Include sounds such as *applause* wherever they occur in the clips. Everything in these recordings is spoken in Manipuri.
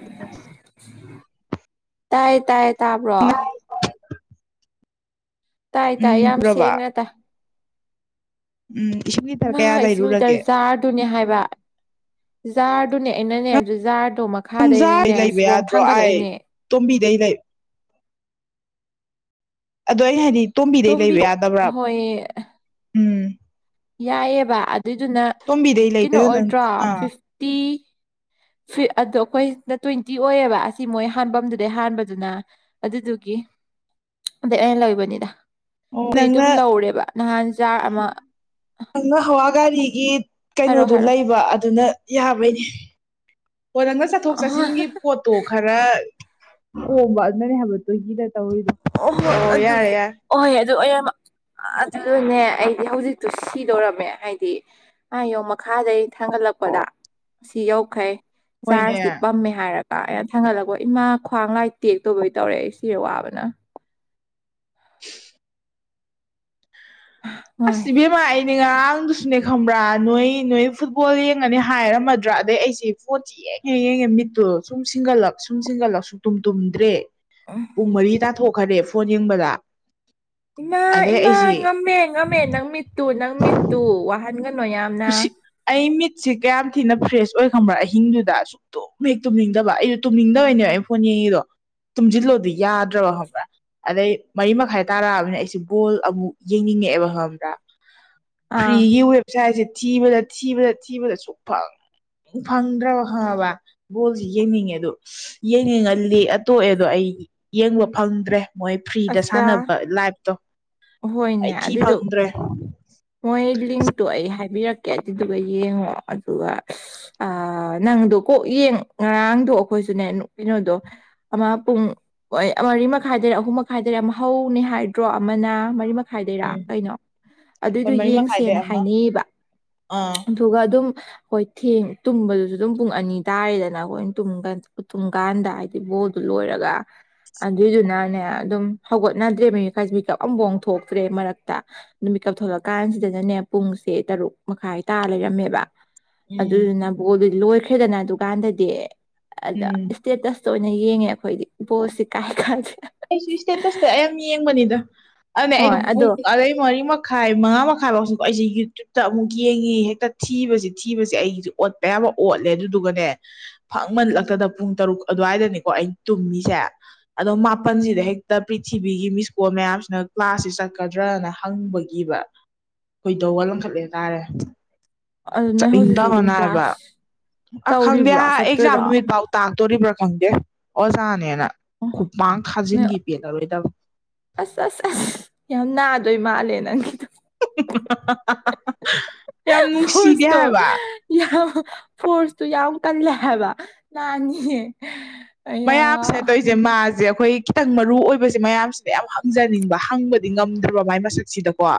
*inaudible* ꯇꯥꯏꯌꯦ ꯇꯥꯏꯌꯦ ꯇꯥꯕ꯭ꯔꯣ ꯇꯥꯏ ꯇꯥꯏ ꯎꯝ ꯌꯥꯝ ꯎꯔꯕ ꯁꯦꯡꯅ ꯇꯥꯏ ꯎꯝ *unintelligible* ꯃꯥ ꯏꯁꯤꯡ ꯂꯤꯇꯔ ꯂꯩꯔꯨꯔꯒꯦ ꯖꯥꯔ ꯑꯗꯨꯅꯦ ꯍꯥꯏꯕ ꯖꯥꯔꯗꯨꯅꯦ ꯑꯩꯅꯅꯦ ꯑꯗꯨ ꯖꯥꯔꯗꯣ ꯃꯥ ꯅꯪꯖꯥꯏ ꯃꯥꯈꯥꯗꯩꯅꯥꯅꯦ ꯂꯩꯕ ꯁꯤꯕꯣꯡ ꯌꯥꯗ꯭ꯔꯣ ꯑꯩ ꯊꯥꯡꯒꯠꯂꯛꯏꯅꯦ ꯇꯣꯝꯕꯤꯗꯩ ꯂꯩ ꯑꯗꯣ ꯑꯩꯅ ꯍꯥꯏꯗꯤ ꯇꯣꯝꯕꯤꯗꯩ ꯇꯣꯝꯕꯤ ꯂꯩꯕ ꯌꯥꯗꯕ꯭ꯔꯥ ꯍꯣꯏ ꯎꯝ ꯌꯥꯏꯌꯦꯕ ꯑꯗꯨꯏꯗꯨꯅ ꯇꯣꯝꯕꯤꯗꯩ ꯀꯩꯅꯣ ꯂꯩꯗꯅ ꯅꯪ ꯑꯣꯏꯗ꯭ꯔꯣ ꯑꯥ ꯐꯤꯐꯇꯤ ꯐꯤ ꯑꯗꯣ ꯑꯩꯈꯣꯏꯅ ꯇ꯭ꯋꯦꯟꯇꯤ ꯑꯣꯏꯌꯦꯕ ꯑꯁꯤ ꯃꯣꯏ ꯍꯥꯟꯕꯗꯨꯗꯩ ꯍꯥꯟꯕꯗꯨꯅ ꯑꯗꯨꯗꯨꯒꯤ ꯑꯗꯩ ꯑꯣꯏꯅꯥ ꯂꯕꯅꯤꯗꯥ ꯈꯣꯏꯗꯤ ꯑꯗꯨꯝ ꯅꯪꯅ ꯂꯧꯔꯦꯕ ꯅꯍꯥꯟ ꯖꯥꯔ ꯑꯃ ꯅꯪꯅ ꯍꯥꯋꯥ ꯒꯥꯔꯤꯒꯤ ꯍꯥꯏꯔꯣ ꯀꯩꯅꯣꯗꯨ ꯍꯥꯏꯔꯣ ꯂꯩꯕ ꯑꯗꯨꯅ ꯌꯥꯕꯩꯅꯤ ꯑꯣ ꯅꯪꯅꯥ ꯆꯠꯊꯣꯛ ꯆꯠꯁꯤꯟꯒꯤ ꯑꯣꯍꯣ ꯄꯣꯠ ꯇꯣ ꯈꯔ ꯍꯣꯡꯕ ꯑꯗꯨꯅꯅꯦ ꯍꯥꯏꯕ ꯇ꯭ꯋꯦꯟꯇꯤꯗꯥ ꯇꯧꯔꯤꯗꯣ ꯑꯣꯍꯣ ꯑꯣ ꯌꯥꯔꯦ ꯑꯗꯨꯒꯤ ꯌꯥꯔꯦ ꯑꯣꯍꯣꯏ ꯑꯗꯨ ꯑꯌꯥꯝꯕꯥ ꯑꯗꯨꯅꯦ ꯑꯩꯗꯤ ꯍꯧꯖꯤꯛꯇꯨ ꯁꯤꯗꯧꯔꯝꯃꯦ ꯍꯥꯏꯗꯤ ꯑꯥꯢꯌꯣ ꯃꯈꯥꯗꯩ ꯊꯥꯡꯒꯠꯂꯛꯄꯗ ꯁꯤ ꯌꯧꯈꯩ ꯍꯣꯏꯅꯦ ꯆꯥꯔꯖꯁꯤ ꯄꯝꯃꯦ ꯍꯥꯏꯔꯛ ꯀꯥꯛꯑꯦ ꯊꯥꯡꯒꯠꯂꯛꯄ ꯏꯃꯥ ꯈ꯭ꯋꯥꯡ ꯂꯥꯏ ꯇꯦꯛꯇꯕꯩ ꯇꯧꯔꯦ ꯑꯩ ꯁꯤꯔꯦ ꯋꯥꯕꯅ ꯎ ꯑꯁ ꯉꯥꯏ ꯏꯕꯦꯝꯃꯥ ꯃꯥ ꯑꯩꯅꯦ ꯉꯔꯥꯡꯗꯨꯁꯨꯅꯦ ꯈꯪꯕ꯭ꯔꯥ ꯅꯣꯏ ꯅꯣꯏ ꯐꯨꯠꯕꯣꯜ ꯌꯦꯡꯉꯅꯤ ꯍꯥꯏꯔꯝꯃꯗ꯭ꯔꯥ ꯑꯗꯩ ꯑꯩꯁꯦ ꯐꯣꯟꯁꯤ ꯌꯦꯡꯉꯦ ꯌꯦꯡꯉꯦ ꯃꯤꯠꯇꯨ ꯁꯨꯝ ꯁꯤꯡꯒꯠꯂꯛ ꯁꯨꯝ ꯁꯤꯡꯒꯠꯂꯛ ꯁꯨꯡꯇꯨꯝ ꯇꯨꯝꯗ꯭ꯔꯦ ꯄꯨꯡ ꯃꯔꯤ ꯇꯥꯊꯣꯛꯈꯔꯦ ꯐꯣꯟ ꯌꯦꯡꯕꯗ ꯏꯃꯥ ꯑꯗꯩ ꯏꯃꯥ ꯑꯩꯁꯤ ꯉꯝꯃꯦ ꯉꯝꯃꯦ ꯅꯪ ꯃꯤꯠꯇꯨ ꯅꯪ ꯃꯤꯠꯇꯨ ꯋꯥꯍꯟꯒꯅꯨ ꯌꯥꯝꯅ ꯈꯨꯁꯤ ꯑꯩ ꯃꯤꯠꯁꯦ ꯀꯌꯥꯝ ꯊꯤꯅ ꯐ꯭ꯔꯦꯁ ꯑꯣꯏ ꯈꯪꯕ꯭ꯔꯥ ꯑꯍꯤꯡꯗꯨꯗ ꯁꯨꯛ ꯇꯨꯝ ꯍꯦꯛ ꯇꯨꯝꯅꯤꯡꯗꯕ ꯑꯩꯗꯨ ꯇꯨꯝꯅꯤꯡꯗꯕꯩꯅꯦꯕ ꯑꯩꯩꯅ ꯐꯣꯟ ꯌꯦꯡꯉꯤꯗꯣ ꯇꯨꯝꯖꯤꯜꯂꯣꯗꯨ ꯌꯥꯗ꯭ꯔꯕꯥ ꯈꯪꯕ꯭ꯔꯥ ꯑꯗꯩ ꯃꯔꯤ ꯃꯈꯥꯏ ꯇꯥꯔꯛꯑꯕꯅꯤ ꯑꯩꯁꯦ ꯕꯣꯜ ꯑꯃꯨꯛ ꯌꯦꯡꯅꯤꯡꯉꯛꯑꯦꯕ ꯈꯪꯕ꯭ꯔꯥ ꯑꯥ ꯐ꯭ꯔꯤꯒꯤ ꯋꯦꯕꯁꯥꯏꯠꯁꯦ ꯊꯤꯕꯗ ꯊꯤꯕꯗ ꯊꯤꯕꯗ ꯁꯨꯛꯐꯪ ꯐꯪꯗ꯭ꯔꯥꯕ ꯈꯪꯉꯥꯕꯥ ꯕꯣꯜꯁꯤ ꯌꯦꯡꯅꯤꯡꯉꯦ ꯑꯗꯨ ꯌꯦꯡꯅꯤꯡꯉꯥ ꯂꯦꯛꯑꯥ ꯇꯣꯛꯑꯦꯗꯣ ꯑꯩ ꯌꯦꯡꯕ ꯐꯪꯗ꯭ꯔꯦ ꯃꯣꯏ ꯐ꯭ꯔꯤꯗ ꯑꯠꯆꯥ ꯁꯥꯟꯅꯕ ꯂꯥꯏꯐꯇꯣ ꯍꯣꯏꯅꯦ ꯑꯩ ꯊꯤ ꯑꯗꯨꯏꯗꯣ ꯐꯪꯗ꯭ꯔꯦ ꯃꯣꯏ ꯂꯤꯡꯇꯣ ꯑꯩ ꯍꯥꯏꯕꯤꯔꯛꯀꯦ ꯑꯗꯨꯗꯨꯒ ꯌꯦꯡꯉꯣ ꯑꯗꯨꯒ ꯑꯥ ꯅꯪꯗꯣ ꯀꯣꯛ ꯌꯦꯡ ꯉꯔꯥꯡꯗꯣ ꯑꯩꯈꯣꯏꯁꯨꯅꯦ ꯀꯩꯅꯣꯗꯣ ꯑꯃ ꯄꯨꯡ ꯍꯣꯏ ꯑ ꯔꯤ ꯃꯈꯥꯏꯗꯩꯔ ꯑꯍꯨꯝ ꯃꯈꯥꯏꯗꯔ ꯑꯃ ꯍꯧꯅꯤ ꯍꯥꯏꯗ꯭ꯔꯣ ꯑꯃꯅ ꯃꯔꯤ ꯃꯈꯥꯏꯗꯩꯔ ꯎꯝ ꯀꯩꯅꯣ ꯍꯣꯏ ꯑꯗꯨꯏꯗꯣ ꯃꯔꯤ ꯃꯈꯥꯏꯗꯩ ꯌꯦꯡꯁꯦꯅ ꯑꯃ ꯍꯥꯏꯅꯩꯑꯕ ꯑꯥ ꯑꯗꯨꯒ ꯑꯗꯨꯝ ꯍꯣꯏ ꯊꯦꯡ ꯇꯨꯝꯕꯗꯨꯖꯨ ꯑꯗꯨꯝ ꯄꯨꯡ ꯑꯅꯤ ꯇꯥꯔꯦꯗꯅ ꯑꯩꯈꯣꯏꯅ ꯇꯨꯝꯀꯟ ꯇꯨꯝꯀꯥꯟꯗ ꯍꯥꯏ ꯕꯣꯜꯗꯨ ꯂꯣꯏꯔꯒ ꯑꯗꯨꯏꯗꯨꯅꯅꯦ ꯑꯗꯨꯝ ꯍꯧꯒꯠꯅꯗ꯭ꯔꯦ *unintelligible* ꯄꯤꯀꯞ ꯑꯃꯕꯣꯡ ꯊꯣꯛꯇ꯭ꯔꯦ ꯃꯔꯛꯇ *unintelligible* ꯅꯨꯃꯤꯠ ꯃꯤꯀꯞ ꯊꯣꯛꯂꯛꯀꯥꯟꯖꯤꯗꯅꯅꯦ ꯄꯨꯡꯁꯦ ꯇꯔꯨꯛ ꯃꯈꯥꯏ ꯇꯔ ꯂꯩꯔꯝꯃꯦꯕ ꯎꯝ ꯑꯗꯨꯗꯨꯅ ꯕꯣꯜꯗꯨꯗꯤ ꯂꯣꯏꯈ꯭ꯔꯦꯗꯅ ꯑꯗꯨꯀꯥꯟꯗꯗꯤ ꯑꯗ ꯎꯝ ꯁ꯭ꯇꯦꯇꯁ ꯑꯣꯏꯅ ꯌꯦꯡꯉꯦ ꯑꯩꯈꯣꯏꯗꯤ ꯕꯣꯁꯁꯤ ꯀꯥꯏ ꯀꯥꯗꯦ *unintelligible* ꯑꯩꯁꯨ ꯁ꯭ꯇꯦꯇꯁꯇ ꯑꯌꯥꯝ ꯌꯦꯡꯕꯅꯤꯗ ꯑꯗꯨꯅ ꯑꯩꯗꯣ ꯍꯣꯏ ꯄꯨꯡ ꯑꯗꯣ ꯑꯗꯩ ꯃꯔꯤ ꯃ ꯈꯥꯏ ꯃꯉꯥ ꯃꯈꯥꯥꯏꯕꯧꯁꯤ ꯀꯣ ꯑꯩꯖꯦ ꯌꯨ ꯇꯨꯕ ꯇ ꯑꯃꯨꯛ ꯌꯦꯡꯉꯦ ꯍꯦꯛꯇ ꯊꯤꯕꯖꯤ ꯊꯤꯕꯖꯤ ꯑꯩꯒꯤꯖꯦ ꯑꯣꯠꯄ ꯌꯥꯕ ꯑꯣꯠꯂꯦ ꯑꯗꯨꯗꯨꯒꯅꯦ ꯐꯪꯃꯜꯂꯛꯇꯗꯅ ꯄꯨꯡ ꯇꯔꯨꯛ ꯑꯗꯨꯋꯥꯏꯗꯅꯤꯀꯣ ꯑꯩ ꯇꯨꯝꯃꯤꯖꯦ ꯑꯗꯣ ꯃꯥ ꯄꯜꯖꯤꯗ ꯍꯦꯛꯇ ꯄ꯭ꯔꯤꯊꯤꯕꯤꯒꯤ ꯃꯤꯁꯀꯣꯜ ꯃꯌꯥꯝꯁꯤꯅ ꯀ꯭ꯂꯥꯁꯁꯤ ꯆꯠꯀꯗ꯭ꯔꯅ ꯍꯪꯕꯒꯤꯕ ꯈꯣꯏꯗꯧ ꯋꯥ ꯂꯪꯈꯠꯂꯦ ꯇꯥꯥꯔꯦ ꯑꯗꯨ ꯅꯣꯏ ꯍꯧꯖꯤꯛꯁꯨ ꯑꯗꯨꯝ ꯆꯠꯅꯤꯡꯗꯕꯅ ꯍꯥꯏꯕ ꯀ꯭ꯂꯥꯁ ꯑ ꯈꯪꯗꯦ ꯇꯧꯔꯤꯕ꯭ꯔꯣ ꯑꯦꯛꯖꯥꯝ ꯆꯠꯇꯣꯏꯔꯣ ꯅꯨꯃꯤꯠ ꯐꯥꯎ ꯇꯥꯛꯇꯣꯔꯤꯕ꯭ꯔ ꯈꯪꯗꯦ ꯑꯣꯖꯥꯅꯦꯅ ꯈꯨꯄꯥꯛꯅ ꯅꯣꯏ ꯊꯥꯖꯤꯟꯒꯤ ꯄꯦꯜꯂꯔꯣꯏꯗꯕꯅꯤ ꯇꯥꯛ ꯑꯁ ꯑꯁ ꯑꯁ ꯌꯥꯝ ꯅꯥꯗꯣꯏ ꯃꯥꯜꯂꯦ ꯅꯪꯒꯤꯗꯣ *unintelligible* ꯌꯥꯝ ꯅꯨꯡꯁꯤꯗꯦ ꯐꯣꯔꯁꯇꯣ ꯍꯥꯏꯕ ꯌꯥꯝ ꯐꯣꯔꯁꯇꯨ ꯌꯥꯝ ꯀꯜꯂꯦ ꯍꯥꯏꯕ ꯅꯍꯥꯟꯒꯤ *unintelligible* ꯃꯌꯥꯝꯁꯤꯅ ꯇꯧꯏꯖꯦ ꯃꯥꯖꯦ ꯑꯩꯈꯣꯏ ꯈꯤꯇꯪ ꯃꯔꯨ ꯑꯣꯏꯕꯖꯦ ꯃꯌꯥꯝꯁꯤꯗ ꯌꯥꯝ ꯍꯪꯖꯅꯤꯡꯕ ꯍꯪꯕꯗꯤ ꯉꯝꯗ꯭ꯔꯕ ꯃꯥꯏ ꯃꯁꯛꯁꯤꯗꯀꯣ ꯑ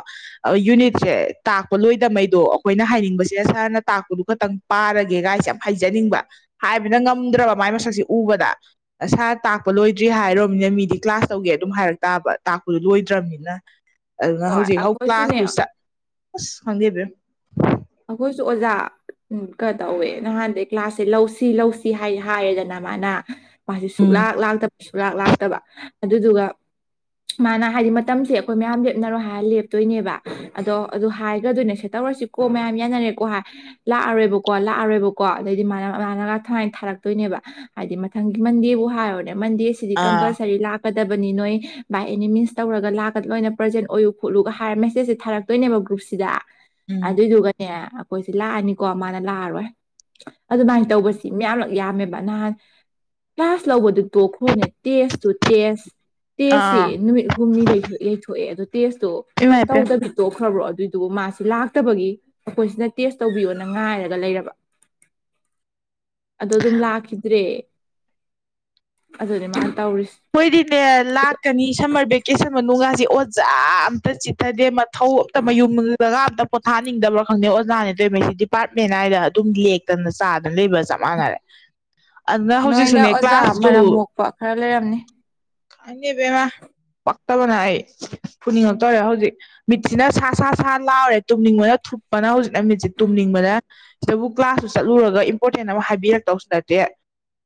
ꯌꯨꯅꯤꯠꯁꯦ ꯇꯥꯛꯄ ꯂꯣꯏꯗꯃꯩꯗꯣ ꯑꯩꯈꯣꯏꯅ ꯍꯥꯏꯅꯤꯡꯕꯁꯦ ꯁꯥꯔꯅ ꯇꯥꯛꯄꯗꯨ ꯈꯇꯪ ꯄꯥꯔꯒꯦꯒꯥꯏꯁꯦ ꯌꯥꯝ ꯍꯩꯖꯅꯤꯡꯕ ꯍꯥꯏꯕꯅ ꯉꯝꯗ꯭ꯔꯕ ꯃꯥꯏ ꯃꯁꯛꯁꯦ ꯎꯕꯗ ꯑ ꯁꯥꯔ ꯇꯥꯛꯄ ꯂꯣꯏꯗ꯭ꯔꯤ ꯍꯥꯏꯔꯣꯝꯅꯤꯅ ꯃꯤꯗꯤ ꯀ꯭ꯂꯥꯁ ꯇꯧꯒꯦ ꯑꯗꯨꯝ ꯍꯥꯏꯔꯛ ꯇꯥꯕ ꯇꯥꯛꯄꯗꯨꯣ ꯂꯣꯏꯗ꯭ꯔꯕꯅꯤꯅ ꯑꯗꯨꯅ ꯍꯣꯏ ꯍꯧꯖꯤꯛ ꯍꯧ ꯀ꯭ꯂꯥꯁ ꯑꯩꯈꯣꯏꯁꯨꯅꯦ ꯇꯨ ꯆꯠ ꯑꯁ ꯈꯪꯗꯦ ꯕꯦꯝ ꯑꯩꯈꯣꯏꯁꯨ ꯑꯣꯖꯥ ꯎꯝ ꯈꯔ ꯇꯧꯋꯦ ꯅꯍꯥꯟꯗꯩ ꯀ꯭ꯂꯥꯁꯁꯦ ꯂꯧꯁꯤ ꯂꯧꯁꯤ ꯍꯥꯏ ꯍꯥꯏꯔꯦꯗꯅ ꯃꯥꯅ ꯃꯥꯖꯤ ꯎꯝ ꯁꯨꯛꯂꯥꯛ ꯂꯥꯛꯇꯕ ꯁꯨꯛꯂꯥꯛ ꯂꯥꯛꯇꯕ ꯑꯗꯨꯗꯨꯒ ꯃꯥꯅ ꯍꯥꯏꯗꯤ ꯃꯇꯝꯁꯦ ꯑꯩꯈꯣꯏ ꯃꯌꯥꯝ ꯂꯦꯞꯅꯔꯣ ꯍꯥꯏꯔ ꯂꯦꯞꯇꯨꯏꯅꯦꯕ ꯑꯗꯣ ꯑꯗꯨ ꯍꯥꯏꯒ꯭ꯔꯗꯣꯏꯅꯤ ꯁꯦꯇꯔꯋꯥꯏ *unintelligible* ꯀꯣ ꯃꯌꯥꯝ ꯌꯥꯅꯔꯦꯀꯣ ꯍꯥꯏ ꯂꯥꯛꯑꯔꯣꯏꯕꯀꯣ ꯂꯥꯛꯑꯔꯣꯏꯕꯀꯣ ꯑꯗꯩꯗꯤ ꯃꯥ ꯃꯥꯅꯒ *unintelligible* ꯊꯥꯔꯛꯇꯣꯏꯅꯦꯕ ꯍꯥꯏꯗꯤ ꯃꯊꯪꯒꯤ ꯃꯟꯗꯦꯕꯨ ꯍꯥꯏꯔꯣꯅꯦ ꯃꯟꯗꯦꯁꯤꯗꯤ ꯑꯥ ꯀꯝꯄꯜꯁꯔꯤ ꯂꯥꯛ ꯀꯗꯕꯅꯤ ꯅꯣꯏ ꯕꯥꯏ ꯑꯦꯅꯤ ꯃꯤꯟꯁ ꯇꯧꯔꯒ ꯂꯥꯛꯀ ꯂꯣꯏꯅ ꯄ꯭ꯔꯖꯦꯟ ꯑꯣꯏꯌꯨ ꯈꯣꯠꯂꯨꯒ ꯍꯥꯏꯔ ꯃꯦꯁꯦꯁꯁꯦ ꯊꯥꯔꯛ ꯗꯣꯏꯅꯦꯕ ꯒ꯭ꯔꯨꯞꯁꯤꯗ ꯎꯝ ꯑꯗꯨꯏꯗꯨꯒꯅꯦ ꯑꯩꯈꯣꯏꯁꯦ ꯂꯥꯛꯑꯅꯤꯀꯣ ꯃꯥꯅ ꯂꯥꯛꯑꯔꯣꯏ ꯑꯗꯨꯃꯥꯏ ꯇꯧꯕꯁꯤ ꯃꯤꯌꯥꯝꯂꯛ ꯌꯥꯝꯃꯦꯕ ꯅꯍꯥꯟ ꯀ꯭ꯂꯥꯁ ꯂꯧꯕꯗꯨ ꯇꯣꯛꯈ꯭ꯔꯣꯅꯦ ꯇꯦꯁ ꯇꯨ ꯇꯦꯁ ꯇꯦꯁꯁꯦ ꯑꯥ ꯅꯨꯃꯤꯠ ꯍꯨꯝꯅꯤ ꯌꯩꯊꯣꯛ ꯌꯩꯊꯣꯛꯑꯦ ꯑꯗꯣ ꯇꯦꯁꯇꯣ ꯏꯃꯥꯏ ꯄꯦꯝ ꯇꯧꯗꯕꯤ ꯇꯣꯛꯈ꯭ꯔꯕ꯭ꯔꯣ ꯑꯗꯨꯏꯗꯨꯕꯨ ꯃꯥꯁꯤ ꯂꯥꯛ ꯇꯕꯒꯤ ꯑꯩꯈꯣꯏꯁꯤꯅ ꯇꯦꯁ ꯇꯧꯕꯤꯌꯣꯅ ꯉꯥꯏꯔꯒ ꯂꯩꯔꯕ ꯑꯗꯣ ꯑꯗꯨꯝ ꯂꯥꯛꯈꯤꯗ꯭ꯔꯦ ꯑꯗꯨꯅꯦ ꯃꯥꯅ ꯇꯧꯔꯤꯁꯦ ꯍꯣꯏꯗꯤꯅꯦ ꯂꯥꯛꯀꯅꯤ ꯁꯝꯃꯔ ꯚꯦꯀꯦꯁꯟ ꯃꯅꯨꯡꯒꯥꯁꯦ ꯑꯣꯖꯥ ꯑꯝꯇ ꯆꯤꯊꯗꯦ ꯃ ꯊꯧ ꯑꯝꯇ ꯃꯌꯨꯝꯗ ꯃꯤꯅꯠ ꯃꯉꯥ ꯑꯝꯇ ꯄꯣꯊꯥꯅꯤꯡꯗꯕ꯭ꯔꯉ ꯈꯪꯗꯦ ꯑꯣꯖꯥꯅꯦ ꯇꯧꯏꯕꯁꯤꯡꯖꯤ ꯗꯤꯄꯥꯔꯠꯃꯦꯟ ꯍꯥꯏꯔ ꯑꯗꯨꯝ ꯂꯦꯛ ꯇꯅ ꯆꯥꯗꯅ ꯂꯩꯕꯒ ꯆꯞ ꯃꯥꯟꯅꯔꯦ ꯑꯗꯨꯅ ꯍꯧꯖꯤꯛꯁꯨꯅꯦ ꯀ꯭ꯂꯥꯁ ꯄ ꯈꯔ ꯂꯩꯔꯝꯅꯤ ꯈꯪꯗꯦ ꯏꯕꯦꯝꯃ ꯄꯛꯇꯕꯅ ꯑꯩ ꯐꯨꯅꯤꯡꯉꯛꯇꯧꯔꯦ ꯍꯧꯖꯤꯛ ꯃꯤꯠꯁꯤꯅ ꯁꯥ ꯁꯥ ꯁꯥ ꯂꯥꯎꯔꯦ ꯇꯨꯝꯅꯤꯡꯕꯅ ꯊꯨꯞꯄꯅ ꯍꯧꯖꯤꯛꯅ ꯃꯤꯠꯁꯤ ꯇꯨꯝꯅꯤꯡꯕꯅ ꯁꯤꯗꯕꯨ ꯀ꯭ꯂꯥꯁꯁꯨ ꯆꯠꯂꯨꯔꯒ ꯏꯝꯄꯣꯔꯇꯦꯟ ꯑꯃ ꯍꯥꯏꯕꯤꯔꯛꯇꯧꯁꯨ ꯅꯠꯇꯦ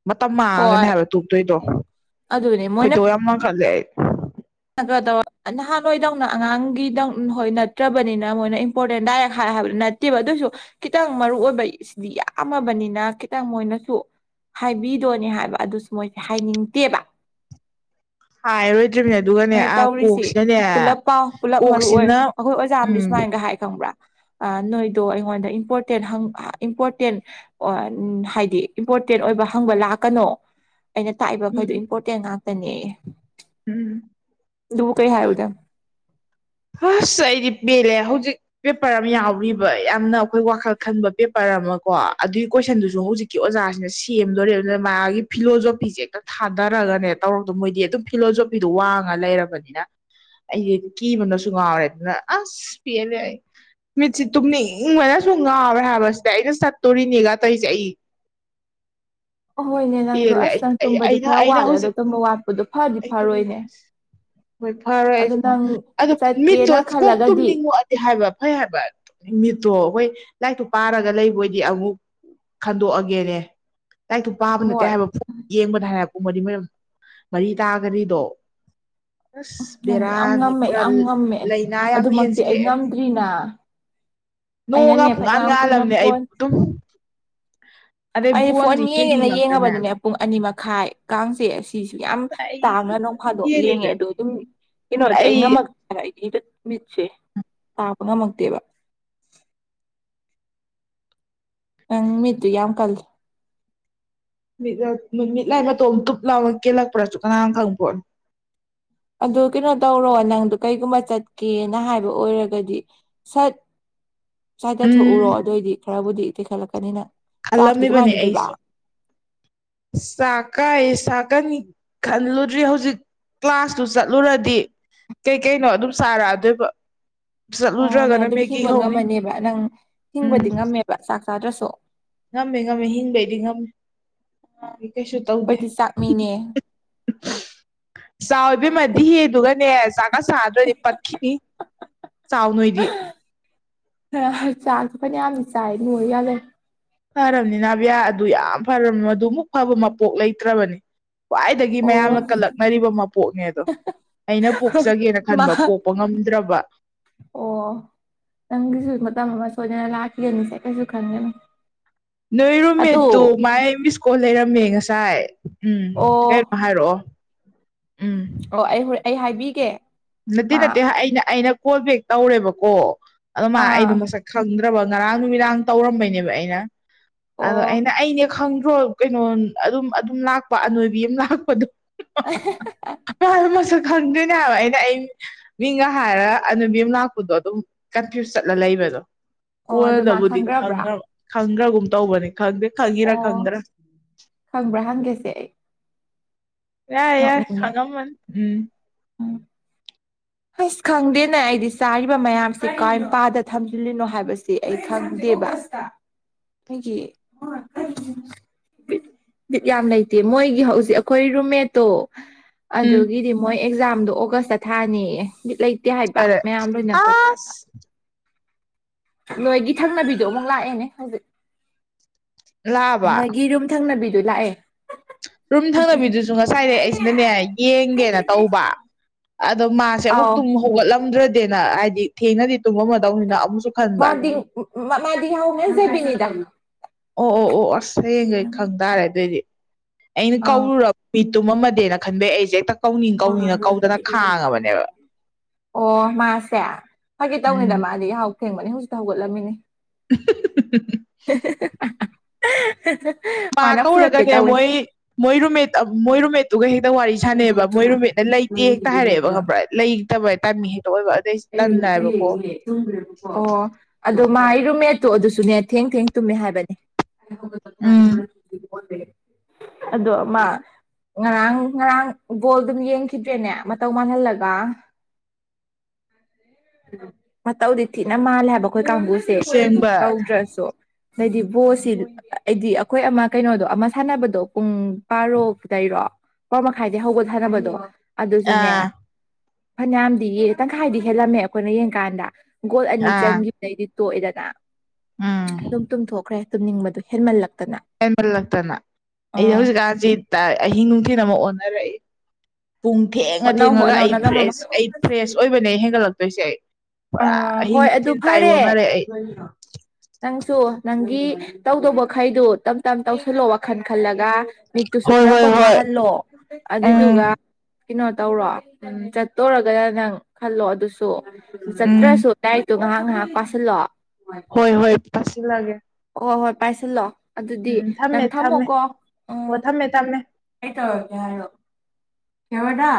ꯃꯇꯝ ꯃꯥꯡꯉꯒꯅꯤ ꯍꯣꯏ ꯍꯥꯏꯕ ꯇꯣꯛꯇꯣꯏꯗꯣ ꯑꯗꯨꯅꯦ ꯃꯣꯏꯅ ꯈꯣꯏꯗꯧ ꯌꯥꯝ ꯂꯪꯈꯠꯂꯦ ꯑꯩ *unintelligible* ꯅꯍꯥꯟꯋꯥꯏꯗꯧꯅ ꯑꯉꯥꯡꯒꯤꯗꯧ ꯍꯣꯏ ꯅꯠꯇ꯭ꯔꯕꯅꯤꯅ ꯃꯣꯏꯅ ꯏꯝꯄꯣꯔꯇꯦꯟ ꯗꯥꯏꯔꯦꯛ ꯍꯥꯏ ꯍꯥꯏꯕꯗꯨ ꯅꯠ__ ꯅꯠꯇꯦꯕ ꯑꯗꯨꯑꯣꯏꯁꯨ ꯈꯤꯇꯪ ꯃꯔꯨ ꯑꯣꯏꯕ ꯁꯤꯗꯤ ꯌꯥꯝꯃꯕꯅꯤꯅ ꯈꯤꯇꯪ ꯃꯣꯏꯅꯁꯨ ꯍꯥꯏꯕꯤꯗꯣꯅꯦ ꯍꯥꯏꯕ ꯑꯗꯨꯁꯨ ꯃꯣꯏꯁꯦ ꯍꯥꯏꯅꯤꯡꯇꯦꯕ ꯍꯥꯏꯔꯣꯏ__ ꯃꯣꯏ ꯇꯧꯔꯤꯁꯤ ꯄꯨꯂꯞ ꯄꯥꯎ ꯄꯨꯂꯞ ꯃꯔꯨ ꯑꯣꯏ ꯀꯣꯛꯁꯤꯅ ꯑꯩꯈꯣꯏ ꯑꯣꯖꯥ ꯑꯝꯗꯤ ꯎꯝ ꯁꯨꯃꯥꯏꯅꯒ ꯍꯥꯏ ꯈꯪꯕ꯭ꯔꯥ ꯑ ꯅꯣꯏꯗꯣ ꯑꯩꯉꯣꯟꯗ ꯏꯝꯄꯣꯔꯇꯦꯟ ꯍꯪ ꯑꯥ ꯏꯝꯄꯣꯔꯇꯦꯟ ꯑꯣ ꯑꯟ ꯍꯥꯏꯗꯤ ꯏꯝꯄꯣꯔꯇꯦꯟ ꯑꯣꯏꯕ ꯍꯪꯕ ꯂꯥꯛꯀꯅꯣ ꯑꯩꯅ ꯇꯥꯛꯏꯕ ꯈꯩꯗꯣ ꯎꯝ ꯏꯝꯄꯣꯔꯇꯦꯟ ꯉꯥꯛꯇꯅꯦꯌꯦ ꯎꯝ ꯑꯗꯨꯕꯨ ꯀꯩ ꯍꯥꯏꯔꯨꯗꯣꯏꯝ ꯍꯁ ꯑꯩꯗꯤ ꯄꯦꯂꯦ ꯍꯧꯖꯤꯛ ꯄꯦꯄꯔ ꯑꯃ ꯌꯥꯎꯔꯤꯕ ꯌꯥꯝꯅ ꯑꯩꯈꯣꯏ ꯋꯥꯈꯜ ꯈꯟꯕ ꯄꯦꯄꯔ ꯑꯃ ꯀꯣ ꯑꯗꯨꯒꯤ ꯀꯣꯏꯁꯟꯗꯨꯁꯨ ꯍꯧꯖꯤꯛ ꯀꯤ ꯑꯣꯖꯥꯁꯤꯅ ꯁꯦꯝꯗꯣꯔꯦꯕ ꯑꯗꯨꯅ ꯃꯥꯒꯤ ꯐꯤꯂꯣꯖꯣꯄꯤꯁꯦ ꯍꯦꯛꯇ ꯊꯥꯗꯔꯒꯅꯦ ꯇꯧꯔꯛꯇꯣ ꯃꯣꯏꯗꯤ ꯑꯗꯨꯝ__ ꯐꯤꯂꯣꯖꯣꯄꯤꯗꯣ ꯋꯥꯡꯉ ꯂꯩꯔꯕꯅꯤꯅ ꯑꯩꯖꯦ ꯀꯤꯕꯅꯁꯨ__ ꯉꯥꯎꯔꯦ ꯑꯗꯨꯅ ꯑꯁ ꯄꯦꯂꯦꯑꯩ ꯃꯤꯠꯁꯤ ꯇꯨꯝꯅꯤꯡꯕꯅꯁꯨ ꯉꯥꯎꯔꯦ ꯍꯥꯏꯕꯁꯤꯗ ꯑꯩꯅ ꯆꯠꯇꯣꯔꯤꯅꯦꯒ ꯇꯩꯖꯤ ꯑꯩ ꯑꯍꯣꯏꯅꯦ *inaudible* ꯅꯪꯗꯣ ꯄꯦꯂꯦ ꯑꯩ ꯑꯁ ꯅꯪ ꯑꯩ ꯇꯨꯝꯕꯗꯤ ꯑꯩꯅ ꯈꯔ ꯑꯩꯅ ꯋꯥꯠꯂꯦ ꯑꯗꯣ ꯍꯧꯖꯤꯛ ꯇꯨꯝꯕ ꯋꯥꯠꯄꯗꯣ ꯐꯗꯤ ꯑꯩ ꯐꯔꯣꯏꯅꯦ ꯇꯨꯝꯅꯤꯡꯁ ꯍꯣꯏ ꯐꯔꯣꯏ ꯑꯗꯣ ꯑꯩꯁꯨ ꯈꯪꯉꯦ ꯅꯪ ꯑꯗꯣ ꯃꯤꯠꯇꯣ ꯆꯠꯀꯦꯅ ꯀꯣꯛ ꯈꯜꯂꯒꯗꯤ ꯇꯨꯝꯅꯤꯡꯉꯣ ꯑ__ ꯇꯦ ꯍꯥꯏꯕ ꯐꯩ ꯍꯥꯏꯕ ꯇꯨꯝꯅꯤꯡ ꯃꯤꯠꯇꯣ ꯍꯣꯏ ꯂꯥꯏꯔꯤꯛꯇꯨ ꯄꯥꯔꯒ ꯂꯩꯕꯑꯣꯏꯗꯤ ꯑꯃꯨꯛ__ ꯈꯟꯗꯣꯛꯑꯒꯦꯅꯦ ꯂꯥꯏꯔꯤꯛꯇꯨ ꯄꯥꯕ ꯅꯠꯇꯦ ꯍꯣꯏ ꯍꯥꯏꯕ ꯐꯣꯟ ꯌꯦꯡꯕꯅꯦ ꯍꯥꯏ__ ꯄꯨꯡ ꯃꯔꯤ ꯃꯌꯨꯝ ꯃꯔꯤ ꯇꯥꯒꯤꯔꯤꯗꯣ ꯑꯁ ꯅꯪ ꯌꯥꯝ ꯕꯦꯔꯥꯅꯤ ꯉꯝꯃꯦ ꯄꯨꯔꯥ ꯌꯥꯝ ꯂꯥ ꯂꯥꯏꯅꯥ ꯌꯥꯝ ꯍꯦꯟꯖꯤꯜꯂꯛꯑꯦ ꯇ꯭ꯔꯤꯅꯥ ꯅꯣꯡꯉ ꯄꯨꯡꯉꯥꯟ ꯀꯨꯏꯅ ꯉꯥꯜꯂꯝꯅꯦ ꯑꯩ ꯐꯣꯟ ꯇꯨꯝ__ ꯑꯩ ꯐꯣꯟ ꯌꯦꯡꯉꯦꯅ ꯌꯦꯡꯉꯕꯗꯅꯦ ꯄꯨꯡ ꯑꯅꯤ ꯃꯈꯥꯏ ꯀꯥꯡꯁꯦ ꯁꯤꯁꯨ ꯌꯥꯝ__ ꯑꯩ ꯇꯥꯡꯅ ꯑꯗꯨꯝ ꯅꯣꯡꯐꯥꯗꯣꯛ ꯌꯦꯡꯉꯦ ꯌꯦꯡꯉꯦꯕ ꯑꯗꯨ ꯑꯗꯨꯝ ꯀꯩꯅꯣꯗꯤ ꯑꯩ ꯉꯝꯃꯛ__ *unintelligible* ꯃꯤꯠꯁꯦ ꯄꯥꯡꯕ ꯉꯝꯃꯛꯇꯦꯕ ꯅꯪ ꯃꯤꯠꯇꯨ ꯌꯥꯝ ꯀꯜꯂꯤ ꯃꯤꯠꯂꯥ ꯃꯤꯠ ꯃꯤꯠꯂꯥꯏ ꯃꯇꯣꯝ ꯇꯨꯞ ꯂꯥꯎꯅ ꯀꯦꯜꯂꯛꯄ꯭ꯔꯁꯨ ꯀꯅꯥ ꯈꯪꯄꯣꯠꯅꯣ ꯑꯗꯨ ꯀꯩꯅꯣ ꯇꯧꯔꯣ ꯅꯪꯗꯨ ꯀꯩꯒꯨꯝꯕ ꯆꯠꯀꯦꯅ ꯍꯥꯏꯕ ꯑꯣꯏꯔꯒꯗꯤ ꯁꯠ ꯎꯝ ꯆꯥꯏꯗꯊꯣꯛꯎꯔꯣ ꯑꯗꯨꯑꯣꯏꯗꯤ ꯈꯔꯕꯨꯗꯤ ꯇꯦꯛꯈꯠꯂꯛꯀꯅꯤ ꯅꯪ ꯈꯜꯂꯝꯃꯤꯕꯥꯅꯤ ꯑꯩꯁꯨ ꯆꯥꯛꯀꯥꯏꯌꯦ ꯆꯥꯀꯅꯤꯛ ꯈꯜꯂꯨꯗ꯭ꯔꯤ ꯍꯧꯖꯤꯛ ꯀ꯭ꯂꯥꯁꯇꯨ ꯆꯠꯂꯨꯔꯗꯤ ꯀꯩꯀꯩꯅꯣ ꯑꯗꯨꯝ ꯆꯥꯔꯛꯑꯗꯣꯏꯕ ꯑꯣ ꯅꯪ ꯆꯠꯂꯨꯗ꯭ꯔꯒꯅ ꯑꯗꯨꯝ ꯃꯦꯒꯤ ꯍꯤꯡꯕ ꯍꯧꯅꯤ ꯉꯝꯃꯅꯦꯕ ꯅꯪ ꯍꯤꯡꯕꯗꯤ ꯎꯝ ꯉꯝꯃꯦꯕ ꯆꯥꯛ ꯆꯥꯗ꯭ꯔꯁꯨ ꯉꯝꯃꯦ ꯉꯝꯃꯦ ꯍꯤꯡꯕꯩꯗꯤ ꯉꯝꯃꯦ ꯑꯩ ꯀꯩꯁꯨ ꯇꯧꯗꯦ ꯑꯩꯈꯣꯏꯗꯤ ꯆꯥꯛ ꯃꯤꯅꯦ ꯆꯥꯎ ꯏꯕꯦꯝꯃ ꯗꯤꯍꯦ ꯗꯨꯒꯅꯦ ꯆꯥꯛꯀ ꯆꯥꯗ꯭ꯔꯗꯤ ꯄꯠꯈꯤꯅꯤ ꯆꯥꯎꯅꯣꯏꯗꯤ ꯆꯥꯡꯁꯨ ꯐꯅꯌꯥꯝꯅ ꯆꯥꯏ ꯅꯣꯏꯌꯨ ꯌꯥꯗꯦ ꯐꯔꯝꯅꯤ ꯅꯥꯕꯤꯌꯥ ꯑꯗꯨ ꯌꯥꯝ ꯐꯔꯝꯅꯤ ꯃꯗꯨ ꯃꯨꯛ ꯐꯕ ꯃꯄꯣꯛ ꯂꯩꯇ꯭ꯔꯕꯅꯤ ꯈ꯭ꯋꯥꯏꯗꯒꯤ ꯑꯣ ꯃꯌꯥꯝꯅ ꯀꯜꯂꯛꯅꯔꯤꯕ ꯃꯄꯣꯛꯅꯦ ꯑꯗꯣ꯫ ꯑꯩꯅ ꯄꯣꯛꯆꯒꯦꯅ ꯃꯥ ꯈꯟꯕ ꯄꯣꯛꯄ ꯉꯝꯗ꯭ꯔꯕ꯫ ꯑꯣ ꯅꯪꯒꯤꯁꯨ ꯃꯇꯝ ꯑꯃ ꯁꯣꯏꯗꯅ ꯂꯥꯛꯈꯤꯒꯅꯤꯁꯦ ꯀꯩꯁꯨ ꯈꯟꯒꯅꯨ꯫ ꯅꯣꯏ ꯑꯗꯨ ꯔꯨꯝꯃꯦꯠꯇꯨ ꯃꯥꯏ ꯃꯤꯁꯀꯣꯜ ꯂꯩꯔꯝꯃꯦ ꯉꯁꯥꯏ꯫ ꯎꯝ ꯑꯣ ꯀꯩꯝ ꯍꯥꯏꯔꯛꯑꯣ ꯎꯝ꯫ ꯑꯣ ꯑꯩ ꯍꯣ ꯑꯩ ꯍꯥꯏꯕꯤꯒꯦ꯫ ꯃꯥ ꯅꯠꯇꯦ-ꯅꯠꯇꯦ ꯑꯩꯅ ꯑꯩꯅ ꯀꯣꯜ ꯕꯦꯛ ꯇꯧꯔꯦꯕꯀꯣ ꯑꯗꯨ ꯃꯥ ꯑꯥ ꯑꯩꯗꯣ ꯃꯁꯛ ꯈꯪꯗ꯭ꯔꯕ ꯉꯔꯥꯡ ꯅꯨꯃꯤꯗꯥꯡ ꯇꯧꯔꯝꯕꯩꯅꯦꯕ ꯑꯩꯅ ꯑꯗꯣ ꯑꯣ ꯑꯩꯅ ꯑꯩꯅꯦ ꯈꯪꯗ꯭ꯔꯣ ꯀꯩꯅꯣ ꯑꯗꯨꯝ ꯑꯗꯨꯝ ꯂꯥꯛꯄ ꯑꯅꯣꯏꯕꯤ ꯑꯃ ꯂꯥꯛꯄꯗꯣ꯫ *inaudible* ꯃꯥꯖꯨ ꯃꯁꯛ ꯈꯪꯗꯅꯦ ꯍꯥꯏꯕ ꯑꯩꯅ꯫ ꯑꯩ ꯃꯤꯒ ꯍꯥꯏꯔꯒ ꯑꯅꯣꯏꯕꯤ ꯑꯃ ꯂꯥꯛꯄꯗꯣ ꯑꯗꯨꯝ ꯀꯟꯐ꯭ꯌꯨꯁ ꯆꯠꯂ ꯂꯩꯕꯗꯣ꯫ ꯑꯣ ꯑꯗꯨ ꯃꯥ ꯀꯣꯟꯅꯗꯕꯨꯗꯤ ꯈꯪꯈ꯭ꯔꯕ꯭ꯔꯥ ꯈꯪꯒ꯭ꯔꯕ ꯈꯪꯒ꯭ꯔꯥꯒꯨꯝ ꯇꯧꯕꯅꯤ ꯈꯪꯗꯦ ꯈꯪꯉꯤꯔ ꯑꯣ ꯈꯪꯗ꯭ꯔꯥ꯫ ꯈꯪꯕ꯭ꯔꯥ ꯍꯪꯒꯦꯁꯦ ꯑꯩ꯫ ꯌꯥꯏ ꯌꯥꯏ ꯅꯣꯛꯅꯤꯡꯉꯦ ꯈꯪꯉꯝꯃꯅꯤ ꯎꯝ꯫ ꯍꯩꯁ ꯈꯪꯗꯦꯅꯦ ꯑꯩꯗꯤ ꯆꯥꯏꯔꯤꯕ ꯃꯌꯥꯝꯁꯦ ꯀꯥꯏ ꯃꯄꯥꯗ ꯊꯝꯖꯤꯜꯂꯤꯅꯣ ꯍꯥꯏꯕꯁꯤ ꯑꯩ ꯈꯪꯗꯦꯕ꯫ ꯑꯩꯒꯤ *unintelligible* ꯕꯤꯠ ꯌꯥꯝ ꯂꯩꯇꯦ ꯃꯣꯏꯒꯤ ꯍꯧꯖꯤꯛ ꯑꯩꯈꯣꯏ ꯔꯨꯝꯃꯦꯠꯇꯣ꯫ ꯎꯝ ꯑꯗꯨꯒꯤꯗꯤ ꯃꯣꯏ ꯑꯦꯛꯖꯥꯝꯗꯣ ꯑꯣꯒꯁꯇ ꯊꯥꯅꯦꯌꯦ ꯕꯤꯠ ꯂꯩ ꯇꯦ ꯍꯥꯏꯕ ꯂꯩꯔꯦ ꯃꯌꯥꯝ ꯂꯣꯏꯅꯈ꯭ꯔ ꯀꯥꯟꯗ꯫ ꯑꯁ ꯅꯣꯏꯒꯤ ꯊꯪꯅꯕꯤꯗꯣ ꯑꯃꯨꯛ ꯂꯥꯛꯑꯦꯅꯦ ꯍꯧꯖꯤꯛ ꯂꯥꯛꯑꯕ ꯅꯣꯏꯒꯤ ꯔꯨꯝ ꯊꯪꯅꯕꯤꯗꯨ ꯂꯥꯛꯑꯦ ꯍꯥꯍꯥ꯫ ꯔꯨꯝ ꯊꯪꯅꯕꯤꯗꯨꯁꯨ ꯉꯁꯥꯏꯗꯩ ꯑꯩꯁꯤꯅꯅꯦ ꯌꯦꯡꯒꯦꯅ ꯇꯧꯕ꯫ ꯑꯗꯣ ꯃꯥꯁꯦ ꯑꯃꯨꯛ ꯑꯥꯎ ꯇꯨꯝ ꯍꯧꯒꯠꯂꯝꯗ꯭ꯔꯗꯦꯅ ꯍꯥꯏꯗꯤ ꯊꯦꯡꯅꯗꯤ ꯇꯨꯝꯃꯝꯃꯗꯧꯅꯤꯅ꯫ ꯑꯃꯨꯛꯁꯨ ꯈꯟꯕ ꯃꯥꯗꯤ ꯃꯥꯗꯤ ꯌꯍꯧ ꯉꯟꯖꯕꯤꯅꯤꯗ꯫ ꯑꯣ ꯑꯣ ꯑꯣ ꯑꯁ ꯍꯌꯦꯡꯈꯩ ꯈꯪ ꯇꯥꯔꯦ ꯑꯗꯨꯑꯣꯏꯗꯤ ꯑꯩꯅ ꯑꯥ ꯀꯧꯔꯨꯔꯕ ꯃꯤ ꯇꯨꯝꯃꯗꯤꯅ ꯈꯟꯕꯩ ꯑꯩꯁꯦ ꯍꯦꯛꯇ ꯀꯧꯅꯤꯡ-ꯀꯧꯅꯤꯡꯅ ꯀꯧꯗꯅ ꯈꯥꯡꯉꯕꯅꯦꯕ꯫ ꯑꯣ ꯃꯥꯁꯦ ꯐꯒꯤ ꯇꯧꯅꯤꯗ ꯎꯝ ꯃꯥꯗꯤ ꯌꯍꯥꯎ ꯊꯦꯡꯕꯅꯤ ꯍꯧꯖꯤꯛꯇ ꯍꯧꯒꯠꯂꯝꯃꯤꯅꯤ꯫ *inaudible* *inaudible* ꯃꯥ ꯃꯥꯅ ꯐꯨꯔꯛꯀꯦ ꯀꯧꯔꯒꯅꯦ ꯇꯧꯋꯦ ꯑꯃꯨꯛ ꯑꯩ ꯃꯣꯏ ꯔꯨꯝꯃꯦꯠ ꯃꯣꯏ ꯔꯨꯝꯃꯦꯠꯇꯨꯒ ꯍꯦꯛꯇ ꯋꯥꯔꯤ ꯁꯥꯟꯅꯩꯕ ꯃꯣꯏ ꯔꯨꯝꯃꯦꯠꯅ ꯂꯩꯇꯦ ꯍꯦꯛꯇ ꯍꯥꯏꯔꯛꯑꯦꯕ ꯈꯪꯕ꯭ꯔꯥ ꯑꯩ꯫ ꯂꯩꯇꯕ ꯍꯦ ꯇꯥꯏꯃꯤꯡ ꯍꯦꯛꯇ ꯑꯣꯏꯕ ꯑꯗꯩꯁꯨ ꯇꯟꯗꯅꯀꯣ꯫ ꯇꯨꯝꯒ꯭ꯔꯦꯕꯀꯣ, ꯑꯣ ꯑꯗꯣ ꯃꯥꯥꯏ ꯔꯨꯝꯃꯦꯠꯇꯣ ꯑꯗꯨꯁꯨꯅꯦ ꯊꯦꯡ--ꯊꯦꯡ ꯇꯨꯝꯃꯦ ꯍꯥꯏꯕꯅꯦ꯫ ꯎꯝ ꯑꯗꯣ ꯃꯥ ꯉꯔꯥꯡ-ꯉꯔꯥꯡ ꯕꯣꯜꯗꯨꯝ ꯌꯦꯡꯈꯤꯗ꯭ꯔꯦꯅꯦ ꯃꯇꯧ ꯃꯜꯍꯜꯂꯒ꯫ ꯃꯇꯧꯗꯤ ꯊꯤꯅ ꯃꯥꯜꯂꯦ ꯍꯥꯏꯕ ꯑꯈꯣꯏ ꯀꯥꯡꯕꯨꯁꯦ ꯑꯁꯦꯡꯕ ꯇꯧꯗ꯭ꯔꯁꯨ꯫ ꯃꯤꯗꯤ ꯕꯣꯜ ꯁꯤꯟ ꯑꯩꯗꯤ ꯑꯩꯈꯣꯏ ꯑꯃ ꯀꯩꯅꯣꯗꯣ ꯑꯃ ꯁꯥꯟꯅꯕꯗꯣ ꯄꯨꯡ ꯕꯥꯔꯣꯗꯩꯔꯣ? ꯅꯤꯄꯥꯜ ꯃꯈꯥꯏꯗꯩ ꯍꯧꯕ ꯁꯥꯟꯅꯕꯗꯣ꯫ ꯑꯗꯨꯁꯨꯅꯦ ꯑꯥ ꯐꯅꯌꯥꯝꯗꯤ ꯌꯦꯡ ꯇꯪꯈꯥꯏꯗꯤ ꯍꯦꯜꯂꯝꯃꯦ ꯑꯈꯣꯏꯅ ꯌꯦꯡꯀꯥꯟꯗ꯫ ꯒꯣꯜ ꯑꯅꯤ ꯑꯥ ꯆꯟꯈꯤꯕꯗꯩꯗꯤ ꯇꯣꯛꯑꯦꯗꯅ ꯑꯗꯨꯝ ꯎꯝ ꯇꯨꯝꯊꯣꯛꯈ꯭ꯔꯦ꯫ ꯇꯨꯝꯅꯤꯡꯕꯗꯨ ꯍꯦꯟꯃꯜꯂꯛꯇꯅ꯫ ꯍꯦꯟꯃꯜꯂꯛꯇꯅ ꯑꯩ ꯑꯥ ꯍꯧꯖꯤꯛꯀꯥꯟꯁꯤ ꯑꯍꯤꯡ-ꯅꯨꯡꯊꯤꯜ ꯑꯃꯛ ꯑꯣꯟꯅꯔꯛꯏ꯫ ꯄꯨꯡ ꯊꯦꯡꯉ ꯍꯣꯠꯅꯧ ꯊꯦꯡꯉꯒ ꯍꯣꯠꯅꯧ ꯑꯩ ꯅꯅꯝꯕ ꯐ꯭ꯔꯦꯁ ꯃꯈꯩ ꯑꯩ ꯐ꯭ꯔꯦꯁ ꯑꯣꯏꯕꯅꯦ ꯍꯦꯟꯒꯠꯂꯛꯇꯣꯏꯁꯦ ꯑꯩ꯫ ꯄꯨꯔꯥ ꯑꯍꯤꯡ ꯅꯨꯡꯊꯤꯜ ꯇꯥꯏ ꯑꯣꯅꯔꯦ ꯑꯩ ꯀꯩꯒꯤꯅꯣ ꯅꯪꯁꯨ ꯅꯪꯒꯤ ꯇꯧꯗꯧꯕ ꯃꯈꯩꯗꯨ ꯇꯝ ꯇꯝ ꯇꯧꯁꯜꯂꯣ ꯋꯥꯈꯜ ꯈꯜꯂꯒ ꯃꯤꯠꯇꯨꯁꯨ ꯍꯣꯏ ꯈꯔ ꯍꯣꯏ ꯍꯣꯏ ꯄꯣꯊꯥꯍꯜꯂꯣ ꯎꯝ ꯑꯗꯨꯏꯗꯨꯒ ꯀꯩꯅꯣ ꯇꯧꯔꯣ ꯎꯝ ꯆꯠꯇꯣꯔꯒꯅ ꯅꯪ ꯈꯜꯂꯣ ꯑꯗꯨꯁꯨ ꯎꯝ ꯆꯠꯇ꯭ꯔꯁꯨ ꯇꯥꯏꯔꯤꯛꯇꯣ ꯉꯥꯏꯍꯥꯛ ꯉꯥꯏꯍꯥꯛ ꯄꯥꯁꯤꯜꯂꯣ ꯍꯣꯏ ꯍꯣꯏ ꯄꯥꯁꯤꯜꯂꯒꯦ ꯍꯣꯏ ꯍꯣꯏ ꯄꯥꯏꯁꯤꯜꯂꯣ ꯑꯗꯨꯗꯤ ꯅꯪ ꯊꯝꯃꯦ ꯊꯝꯃꯦ ꯊꯝꯃꯣꯀꯣ ꯎꯝ ꯑꯣ ꯊꯝꯃꯦ ꯊꯝꯃꯦ ꯑꯩ ꯇꯔꯛꯀꯦ ꯍꯥꯏꯌꯣ ꯌꯧꯔꯗ